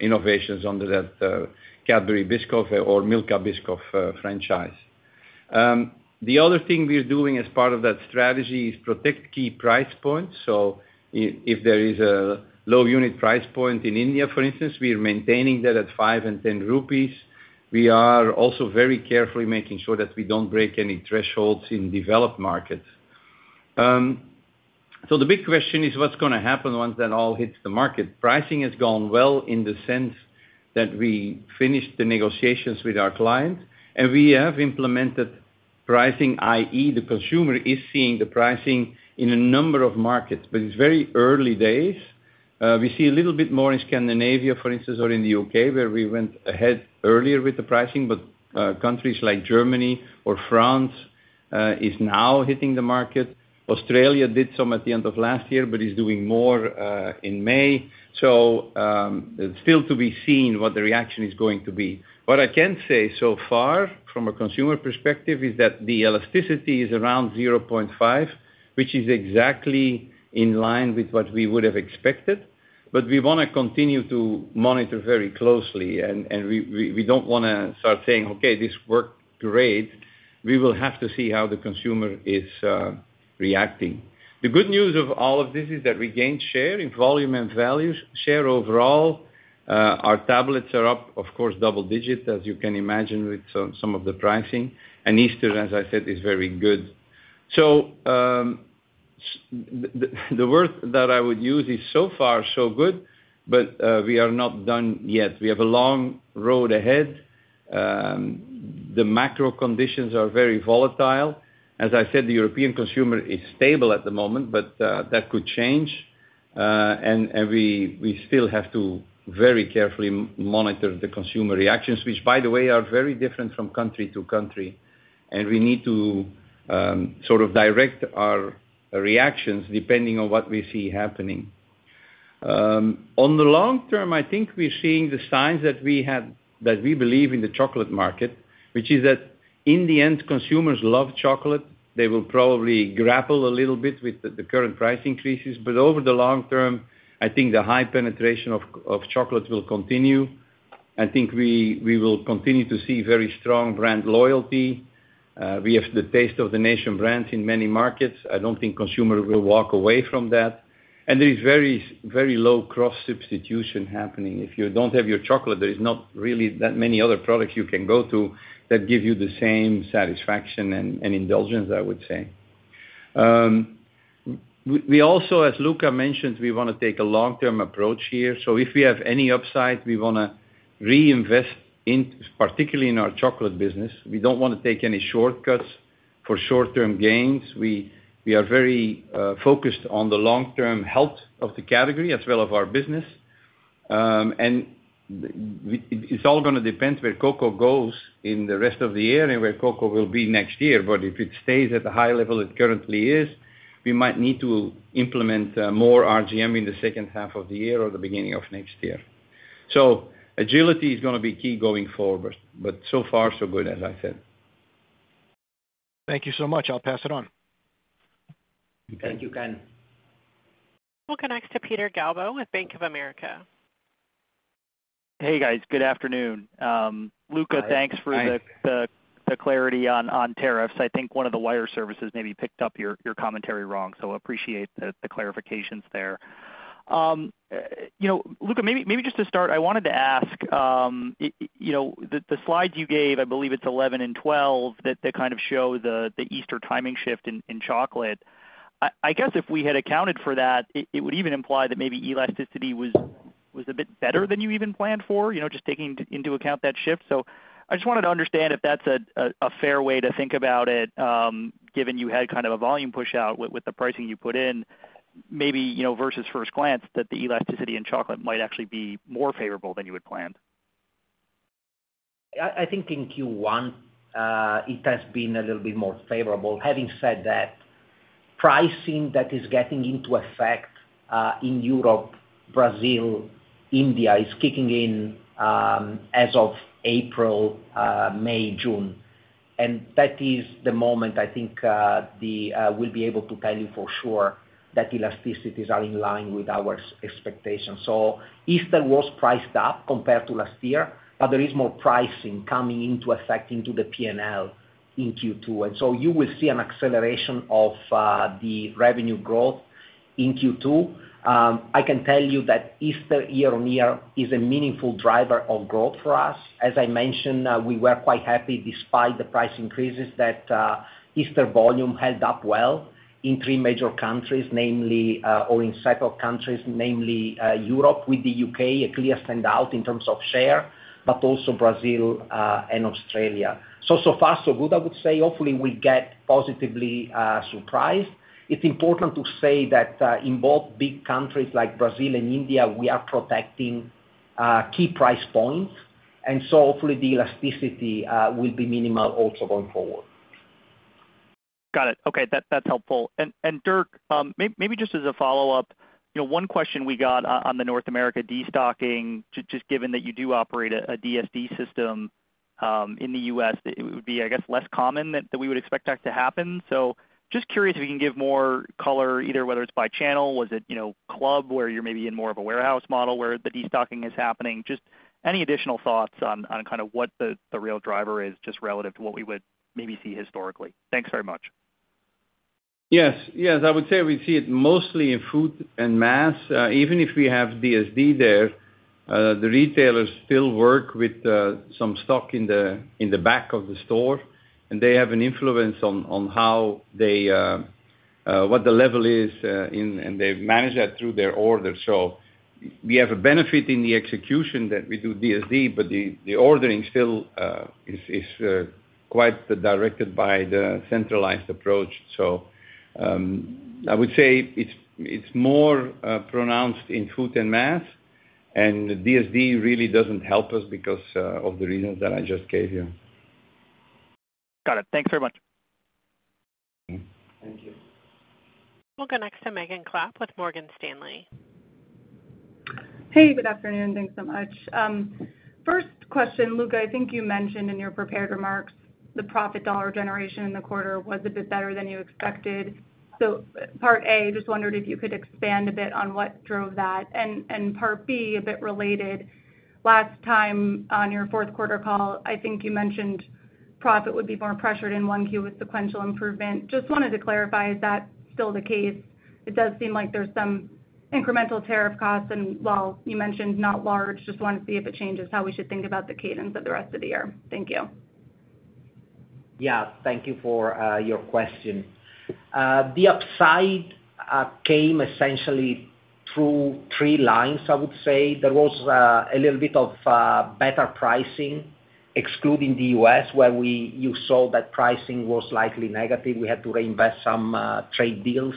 innovations under that Cadbury Biscoff or Milka Biscoff franchise. The other thing we are doing as part of that strategy is protect key price points. If there is a low unit price point in India, for instance, we are maintaining that at 5 and 10 rupees. We are also very carefully making sure that we do not break any thresholds in developed markets. The big question is, what is going to happen once that all hits the market? Pricing has gone well in the sense that we finished the negotiations with our client, and we have implemented pricing, i.e., the consumer is seeing the pricing in a number of markets, but it is very early days. We see a little bit more in Scandinavia, for instance, or in the U.K., where we went ahead earlier with the pricing, but countries like Germany or France are now hitting the market. Australia did some at the end of last year, but is doing more in May. It is still to be seen what the reaction is going to be. What I can say so far from a consumer perspective is that the elasticity is around 0.5, which is exactly in line with what we would have expected, but we want to continue to monitor very closely. We do not want to start saying, "Okay, this worked great." We will have to see how the consumer is reacting. The good news of all of this is that we gained share in volume and value share overall. Our tablets are up, of course, double digits, as you can imagine with some of the pricing. Easter, as I said, is very good. The word that I would use is, "So far, so good," but we are not done yet. We have a long road ahead. The macro conditions are very volatile. As I said, the European consumer is stable at the moment, but that could change. We still have to very carefully monitor the consumer reactions, which, by the way, are very different from country to country. We need to sort of direct our reactions depending on what we see happening. On the long term, I think we're seeing the signs that we believe in the chocolate market, which is that in the end, consumers love chocolate. They will probably grapple a little bit with the current price increases, but over the long term, I think the high penetration of chocolate will continue. I think we will continue to see very strong brand loyalty. We have the taste of the nation brands in many markets. I don't think consumers will walk away from that. There is very low cross-substitution happening. If you don't have your chocolate, there are not really that many other products you can go to that give you the same satisfaction and indulgence, I would say. We also, as Luca mentioned, want to take a long-term approach here. If we have any upside, we want to reinvest in, particularly in our chocolate business. We do not want to take any shortcuts for short-term gains. We are very focused on the long-term health of the category as well as our business. It is all going to depend where cocoa goes in the rest of the year and where cocoa will be next year. If it stays at the high level it currently is, we might need to implement more RGM in the second half of the year or the beginning of next year. Agility is going to be key going forward, but so far, so good, as I said. Thank you so much. I'll pass it on. Thank you Ken. Welcome back to Peter Galbo with Bank of America. Hey, guys. Good afternoon. Luca, thanks for the clarity on tariffs. I think one of the wire services maybe picked up your commentary wrong, so I appreciate the clarifications there. Luca, maybe just to start, I wanted to ask, the slides you gave, I believe it is 11 and 12, that kind of show the Easter timing shift in chocolate. I guess if we had accounted for that, it would even imply that maybe elasticity was a bit better than you even planned for, just taking into account that shift. I just wanted to understand if that is a fair way to think about it, given you had kind of a volume push out with the pricing you put in, maybe versus first glance that the elasticity in chocolate might actually be more favorable than you had planned. I think in Q1, it has been a little bit more favorable. Having said that, pricing that is getting into effect in Europe, Brazil, India is kicking in as of April, May, June. That is the moment I think we'll be able to tell you for sure that elasticities are in line with our expectations. Easter was priced up compared to last year, but there is more pricing coming into effect into the P&L in Q2. You will see an acceleration of the revenue growth in Q2. I can tell you that Easter year on year is a meaningful driver of growth for us. As I mentioned, we were quite happy despite the price increases that Easter volume held up well in three major countries, namely, or in several countries, namely Europe with the U.K., a clear standout in terms of share, but also Brazil and Australia. So far, so good, I would say. Hopefully, we get positively surprised. It is important to say that in both big countries like Brazil and India, we are protecting key price points. Hopefully, the elasticity will be minimal also going forward. Got it. Okay. That's helpful. Dirk, maybe just as a follow-up, one question we got on the North America destocking, just given that you do operate a DSD system in the U.S., it would be, I guess, less common that we would expect that to happen. Just curious if you can give more color, either whether it's by channel, was it club, where you're maybe in more of a warehouse model where the destocking is happening, just any additional thoughts on kind of what the real driver is just relative to what we would maybe see historically. Thanks very much. Yes. Yes. I would say we see it mostly in food and mass. Even if we have DSD there, the retailers still work with some stock in the back of the store, and they have an influence on what the level is, and they manage that through their orders. We have a benefit in the execution that we do DSD, but the ordering still is quite directed by the centralized approach. I would say it is more pronounced in food and mass, and DSD really does not help us because of the reasons that I just gave you. Got it. Thanks very much. Thank you. Welcome next to Megan Clapp with Morgan Stanley. Hey, good afternoon. Thanks so much. First question, Luca, I think you mentioned in your prepared remarks the profit dollar generation in the quarter was a bit better than you expected. Part A, just wondered if you could expand a bit on what drove that. Part B, a bit related. Last time on your fourth quarter call, I think you mentioned profit would be more pressured in Q1 with sequential improvement. Just wanted to clarify, is that still the case? It does seem like there's some incremental tariff costs, and while you mentioned not large, just want to see if it changes how we should think about the cadence of the rest of the year. Thank you. Yeah. Thank you for your question. The upside came essentially through three lines, I would say. There was a little bit of better pricing, excluding the U.S., where you saw that pricing was slightly negative. We had to reinvest some trade deals.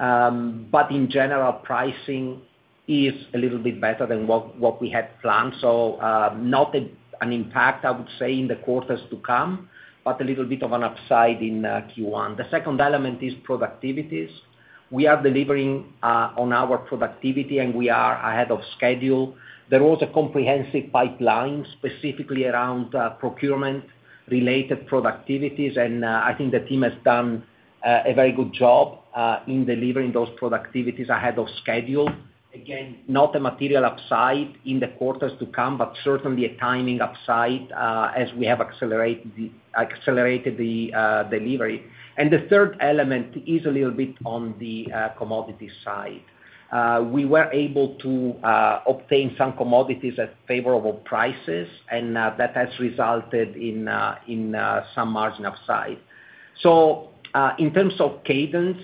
In general, pricing is a little bit better than what we had planned. Not an impact, I would say, in the quarters to come, but a little bit of an upside in Q1. The second element is productivities. We are delivering on our productivity, and we are ahead of schedule. There was a comprehensive pipeline specifically around procurement-related productivities, and I think the team has done a very good job in delivering those productivities ahead of schedule. Again, not a material upside in the quarters to come, but certainly a timing upside as we have accelerated the delivery. The third element is a little bit on the commodity side. We were able to obtain some commodities at favorable prices, and that has resulted in some margin upside. In terms of cadence,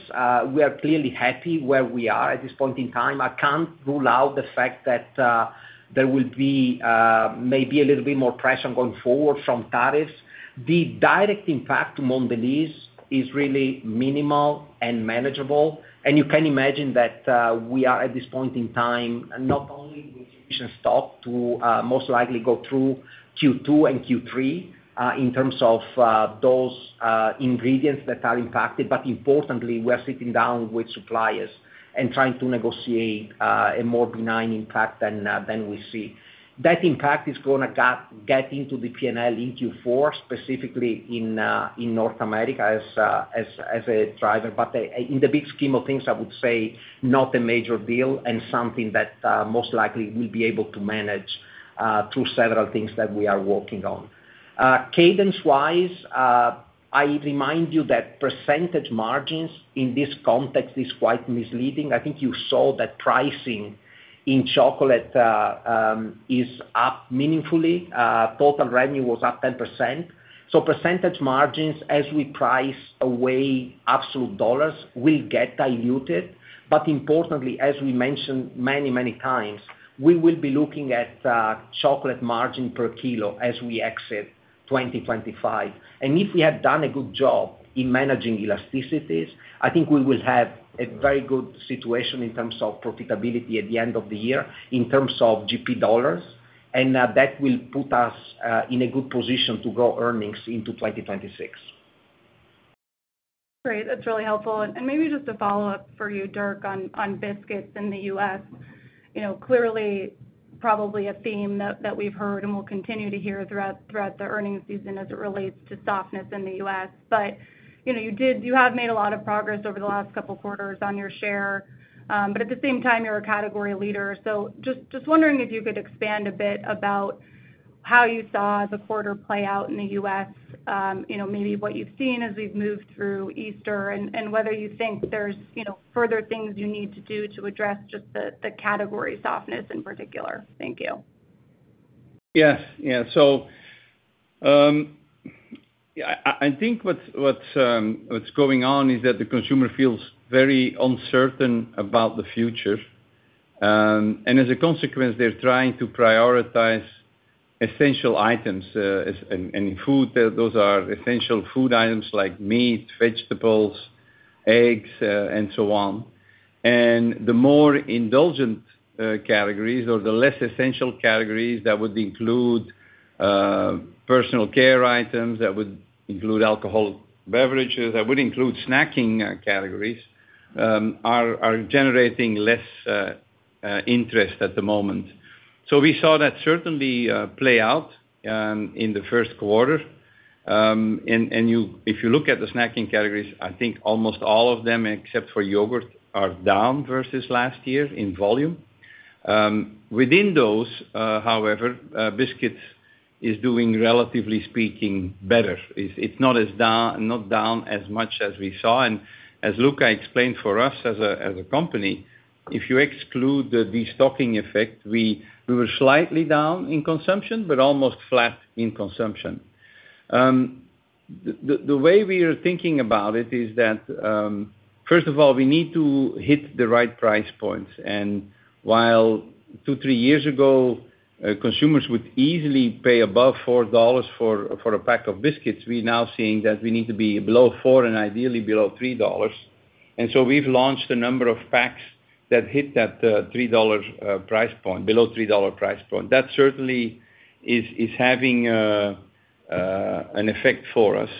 we are clearly happy where we are at this point in time. I can't rule out the fact that there will be maybe a little bit more pressure going forward from tariffs. The direct impact to Mondelez is really minimal and manageable. You can imagine that we are at this point in time not only with sufficient stock to most likely go through Q2 and Q3 in terms of those ingredients that are impacted, but importantly, we are sitting down with suppliers and trying to negotiate a more benign impact than we see. That impact is going to get into the P&L in Q4, specifically in North America as a driver. In the big scheme of things, I would say not a major deal and something that most likely we'll be able to manage through several things that we are working on. Cadence-wise, I remind you that percentage margins in this context is quite misleading. I think you saw that pricing in chocolate is up meaningfully. Total revenue was up 10%. Percentage margins, as we price away absolute dollars, will get diluted. Importantly, as we mentioned many, many times, we will be looking at chocolate margin per kilo as we exit 2025. If we have done a good job in managing elasticities, I think we will have a very good situation in terms of profitability at the end of the year in terms of GP dollars. That will put us in a good position to grow earnings into 2026. Great. That is really helpful. Maybe just a follow-up for you, Dirk, on biscuits in the U.S. Clearly, probably a theme that we have heard and will continue to hear throughout the earnings season as it relates to softness in the U.S. You have made a lot of progress over the last couple of quarters on your share. At the same time, you are a category leader. I am just wondering if you could expand a bit about how you saw the quarter play out in the U.S., maybe what you have seen as we have moved through Easter, and whether you think there are further things you need to do to address just the category softness in particular. Thank you. Yes. Yeah. I think what's going on is that the consumer feels very uncertain about the future. As a consequence, they're trying to prioritize essential items. In food, those are essential food items like meat, vegetables, eggs, and so on. The more indulgent categories or the less essential categories that would include personal care items, that would include alcoholic beverages, that would include snacking categories are generating less interest at the moment. We saw that certainly play out in the first quarter. If you look at the snacking categories, I think almost all of them, except for yogurt, are down versus last year in volume. Within those, however, biscuits is doing, relatively speaking, better. It's not down as much as we saw. As Luca explained for us as a company, if you exclude the destocking effect, we were slightly down in consumption, but almost flat in consumption. The way we are thinking about it is that, first of all, we need to hit the right price points. While two, three years ago, consumers would easily pay above $4 for a pack of biscuits, we are now seeing that we need to be below $4 and ideally below $3. We have launched a number of packs that hit that $3 price point, below $3 price point. That certainly is having an effect for us.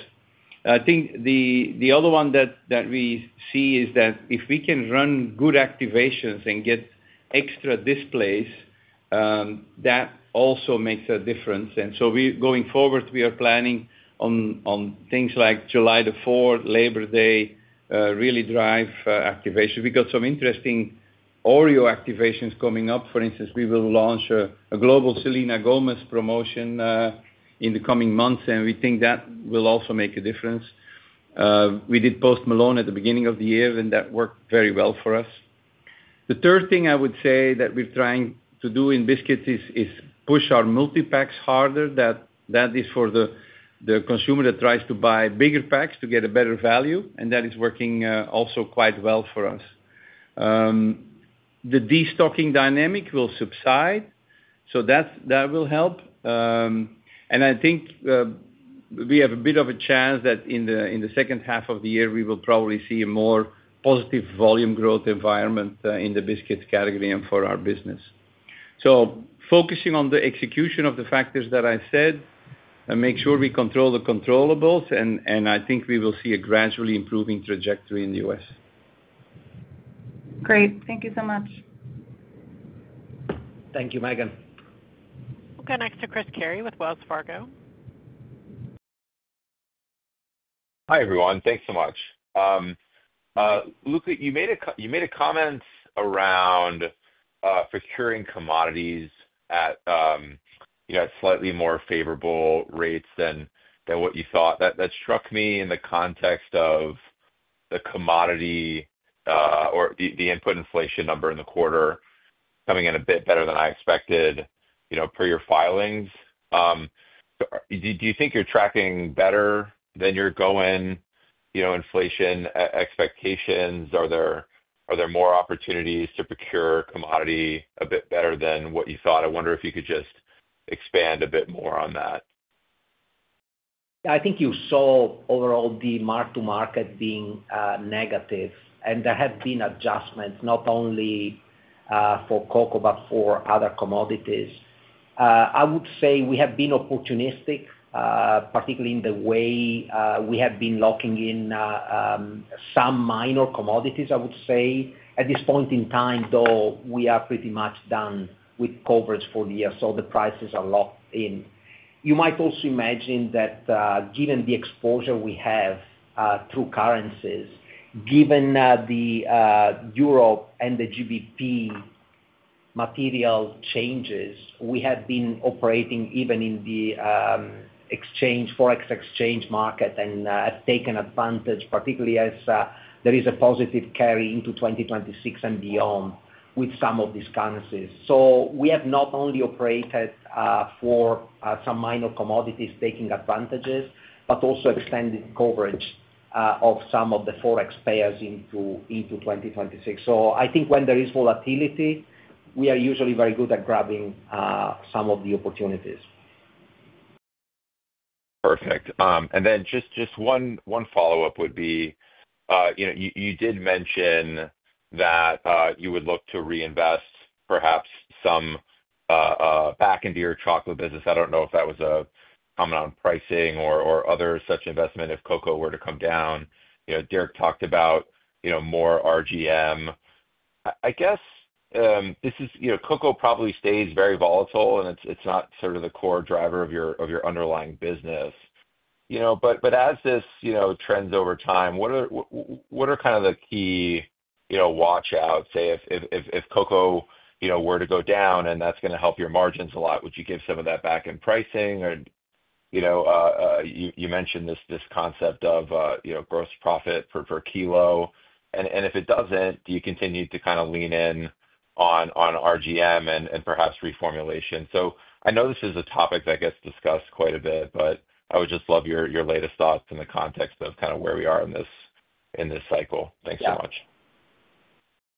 I think the other one that we see is that if we can run good activations and get extra displays, that also makes a difference. Going forward, we are planning on things like July the 4th, Labor Day, really drive activations. We got some interesting Oreo activations coming up. For instance, we will launch a global Selena Gomez promotion in the coming months, and we think that will also make a difference. We did Post Malone at the beginning of the year, and that worked very well for us. The third thing I would say that we're trying to do in biscuits is push our multi-packs harder. That is for the consumer that tries to buy bigger packs to get a better value, and that is working also quite well for us. The destocking dynamic will subside, so that will help. I think we have a bit of a chance that in the second half of the year, we will probably see a more positive volume growth environment in the biscuits category and for our business. Focusing on the execution of the factors that I said, make sure we control the controllables. I think we will see a gradually improving trajectory in the U.S. Great. Thank you so much. Thank you Megan. Welcome next to Chris Carey with Wells Fargo. Hi everyone. Thanks so much. Luca, you made a comment around procuring commodities at slightly more favorable rates than what you thought. That struck me in the context of the commodity or the input inflation number in the quarter coming in a bit better than I expected per your filings. Do you think you're tracking better than your going inflation expectations? Are there more opportunities to procure commodity a bit better than what you thought? I wonder if you could just expand a bit more on that. I think you saw overall the mark-to-market being negative, and there have been adjustments not only for cocoa but for other commodities. I would say we have been opportunistic, particularly in the way we have been locking in some minor commodities, I would say. At this point in time, though, we are pretty much done with covers for the year, so the prices are locked in. You might also imagine that given the exposure we have through currencies, given the Europe and the GBP material changes, we have been operating even in the foreign exchange market and have taken advantage, particularly as there is a positive carry into 2026 and beyond with some of these currencies. We have not only operated for some minor commodities taking advantages, but also extended coverage of some of the foreign exchange pairs into 2026. I think when there is volatility, we are usually very good at grabbing some of the opportunities. Perfect. And then just one follow-up would be you did mention that you would look to reinvest perhaps some back into your chocolate business. I do not know if that was a comment on pricing or other such investment if cocoa were to come down. Dirk talked about more RGM. I guess this is cocoa probably stays very volatile, and it is not sort of the core driver of your underlying business. As this trends over time, what are kind of the key watch-outs? Say if cocoa were to go down and that is going to help your margins a lot, would you give some of that back in pricing? You mentioned this concept of gross profit per kilo. If it does not, do you continue to kind of lean in on RGM and perhaps reformulation? I know this is a topic that gets discussed quite a bit, but I would just love your latest thoughts in the context of kind of where we are in this cycle. Thanks so much.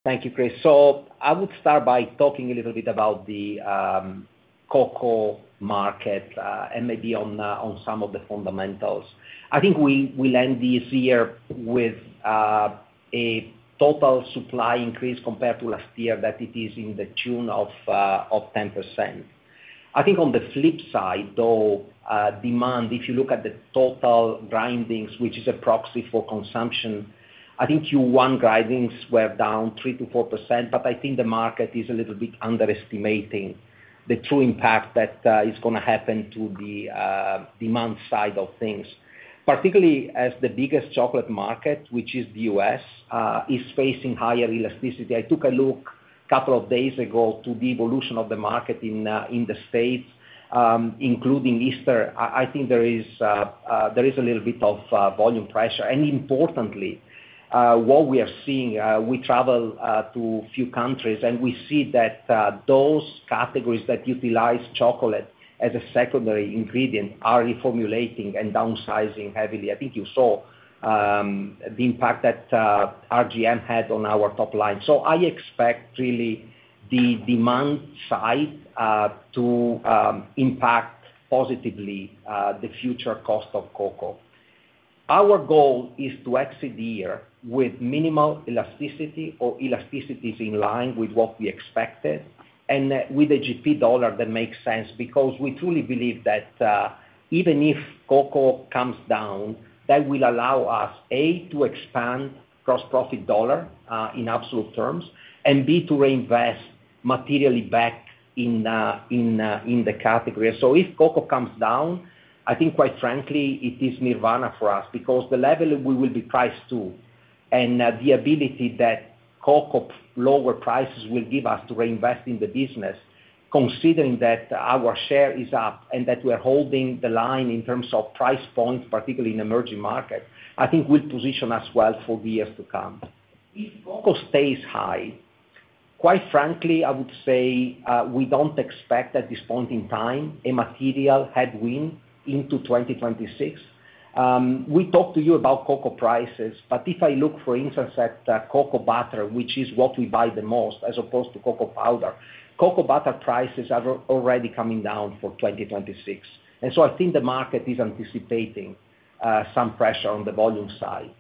Thank you, Chris. I would start by talking a little bit about the cocoa market and maybe on some of the fundamentals. I think we'll end this year with a total supply increase compared to last year that is in the tune of 10%. I think on the flip side, though, demand, if you look at the total grindings, which is a proxy for consumption, I think Q1 grindings were down 3% to 4%, but I think the market is a little bit underestimating the true impact that is going to happen to the demand side of things, particularly as the biggest chocolate market, which is the U.S., is facing higher elasticity. I took a look a couple of days ago to the evolution of the market in the States, including Easter. I think there is a little bit of volume pressure. Importantly, what we are seeing, we travel to a few countries, and we see that those categories that utilize chocolate as a secondary ingredient are reformulating and downsizing heavily. I think you saw the impact that RGM had on our top line. I expect really the demand side to impact positively the future cost of cocoa. Our goal is to exit the year with minimal elasticity or elasticities in line with what we expected and with a GP dollar that makes sense because we truly believe that even if cocoa comes down, that will allow us, A, to expand gross profit dollar in absolute terms, and B, to reinvest materially back in the category. If cocoa comes down, I think quite frankly, it is nirvana for us because the level we will be priced to and the ability that cocoa lower prices will give us to reinvest in the business, considering that our share is up and that we are holding the line in terms of price points, particularly in emerging markets, I think will position us well for the years to come. If cocoa stays high, quite frankly, I would say we do not expect at this point in time a material headwind into 2026. We talked to you about cocoa prices, but if I look, for instance, at cocoa butter, which is what we buy the most as opposed to cocoa powder, cocoa butter prices are already coming down for 2026. I think the market is anticipating some pressure on the volume side.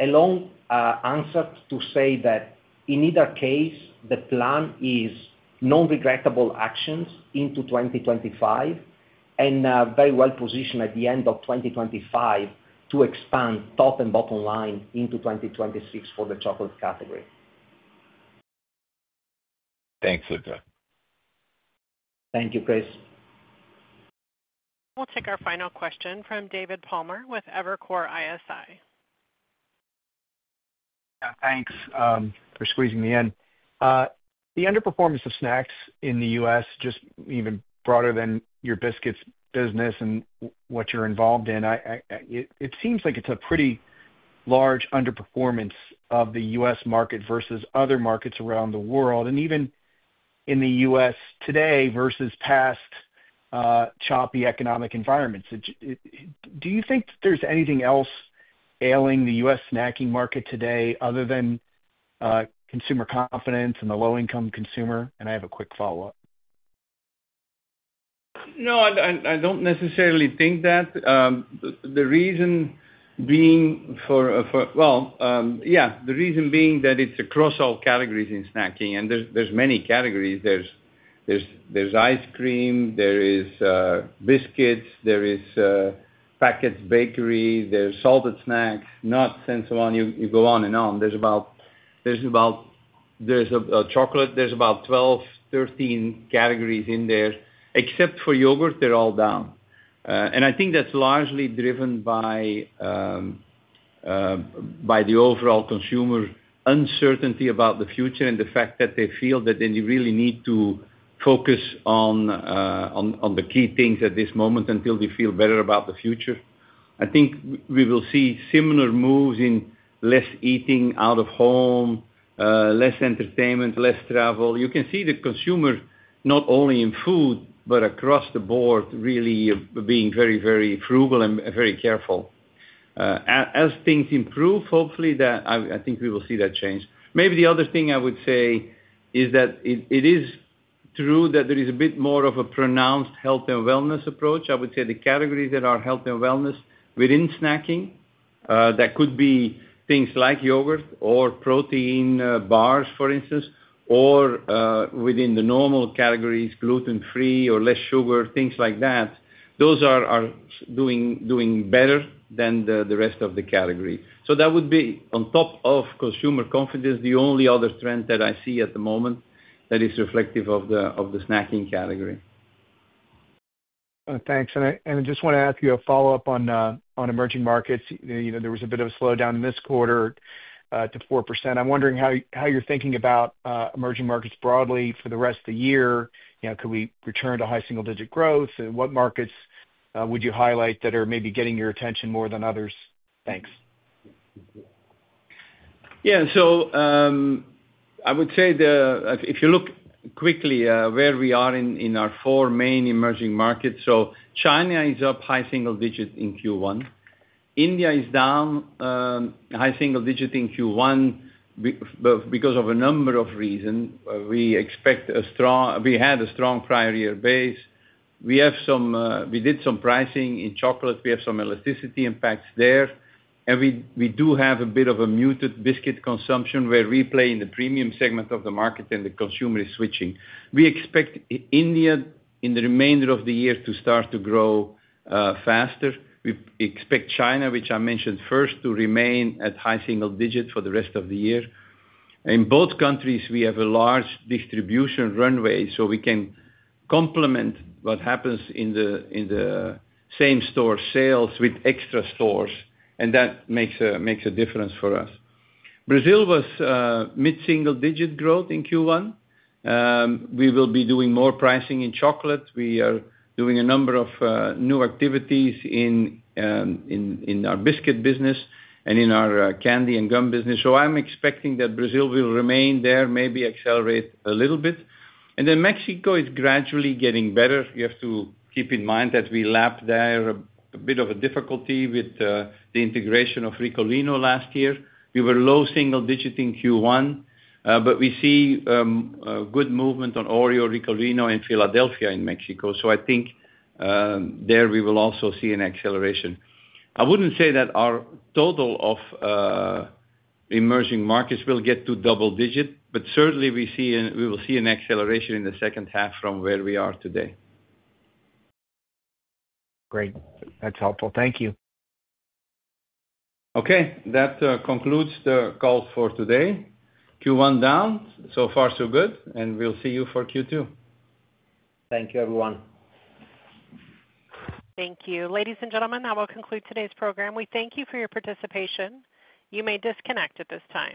A long answer to say that in either case, the plan is non-regrettable actions into 2025 and very well positioned at the end of 2025 to expand top and bottom line into 2026 for the chocolate category. Thanks Luca. Thank you, Chris. We'll take our final question from David Palmer with Evercore ISI. Thanks for squeezing me in. The underperformance of snacks in the U.S., just even broader than your biscuits business and what you're involved in, it seems like it's a pretty large underperformance of the U.S. market versus other markets around the world, and even in the U.S. today versus past choppy economic environments. Do you think there's anything else ailing the U.S. snacking market today other than consumer confidence and the low-income consumer? I have a quick follow-up. No, I do not necessarily think that. The reason being for, yeah, the reason being that it is across all categories in snacking, and there are many categories. There is ice cream, there is biscuits, there is packaged bakery, there are salted snacks, nuts, and so on. You go on and on. There is about chocolate, there are about 12, 13 categories in there. Except for yogurt, they are all down. I think that is largely driven by the overall consumer uncertainty about the future and the fact that they feel that they really need to focus on the key things at this moment until they feel better about the future. I think we will see similar moves in less eating out of home, less entertainment, less travel. You can see the consumer, not only in food, but across the board, really being very, very frugal and very careful. As things improve, hopefully, I think we will see that change. Maybe the other thing I would say is that it is true that there is a bit more of a pronounced health and wellness approach. I would say the categories that are health and wellness within snacking, that could be things like yogurt or protein bars, for instance, or within the normal categories, gluten-free or less sugar, things like that, those are doing better than the rest of the category. That would be, on top of consumer confidence, the only other trend that I see at the moment that is reflective of the snacking category. Thanks. I just want to ask you a follow-up on emerging markets. There was a bit of a slowdown in this quarter to 4%. I'm wondering how you're thinking about emerging markets broadly for the rest of the year. Could we return to high single-digit growth? What markets would you highlight that are maybe getting your attention more than others? Thanks. Yeah. I would say if you look quickly where we are in our four main emerging markets, China is up high single digit in Q1. India is down high single digit in Q1 because of a number of reasons. We expect a strong, we had a strong prior year base. We did some pricing in chocolate. We have some elasticity impacts there. We do have a bit of a muted biscuit consumption where we play in the premium segment of the market and the consumer is switching. We expect India in the remainder of the year to start to grow faster. We expect China, which I mentioned first, to remain at high single digit for the rest of the year. In both countries, we have a large distribution runway, so we can complement what happens in the same store sales with extra stores, and that makes a difference for us. Brazil was mid-single digit growth in Q1. We will be doing more pricing in chocolate. We are doing a number of new activities in our biscuit business and in our candy and gum business. I am expecting that Brazil will remain there, maybe accelerate a little bit. Mexico is gradually getting better. You have to keep in mind that we lapped there a bit of a difficulty with the integration of Ricolino last year. We were low single digit in Q1, but we see good movement on Oreo, Ricolino, and Philadelphia in Mexico. I think there we will also see an acceleration. I wouldn't say that our total of emerging markets will get to double digit, but certainly we will see an acceleration in the second half from where we are today. Great. That's helpful. Thank you. Okay. That concludes the call for today. Q1 down. So far, so good. We'll see you for Q2. Thank you everyone. Thank you. Ladies and gentlemen, I will conclude today's program. We thank you for your participation. You may disconnect at this time.